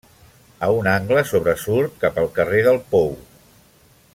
A un angle sobresurt cap al carrer del Pou.